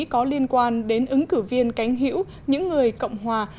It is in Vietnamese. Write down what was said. có liên quan đến ứng cử viên cánh hữu những người cộng hòa